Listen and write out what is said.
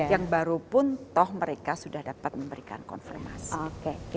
yang baru pun toh mereka sudah dapat memberikan konfirmasi